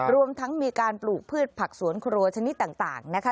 รวมทั้งมีการปลูกพืชผักสวนครัวชนิดต่างนะคะ